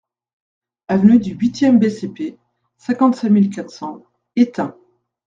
Avenue du huit e B.C.P., cinquante-cinq mille quatre cents Étain